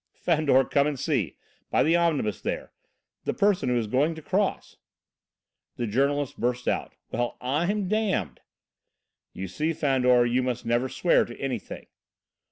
"Fandor, come and see! By the omnibus, there. The person who is going to cross." The journalist burst out: "Well, I'm damned!" "You see, Fandor, you must never swear to anything."